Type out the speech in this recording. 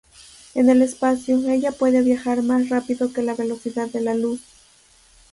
En el espacio, ella puede viajar más rápido que la velocidad de la luz.